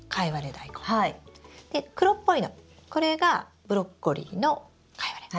で黒っぽいのこれがブロッコリーのカイワレ。